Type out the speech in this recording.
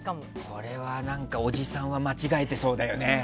これは、おじさんは間違えてそうだよね。